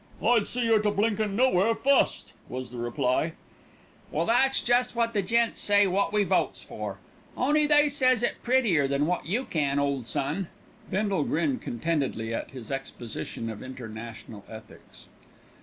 "I'd see yer to blinkin' nowhere, fust," was the reply. "Well, that's jest wot the gents say wot we votes for, on'y they says it prettier than wot you can, ole son." Bindle grinned contentedly at his exposition of international ethics.